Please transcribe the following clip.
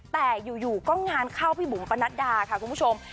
แต่อยู่ก็งานเข้าพี่บุ๋มปะนัดดาค่ะคุณผู้ชม